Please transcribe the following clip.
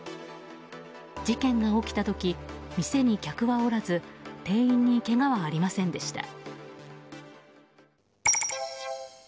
事件が起きた時、店に客はおらず店員にけがはありませんでした。